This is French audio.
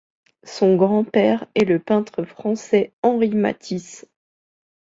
Son grand-père est le peintre français Henri Matisse.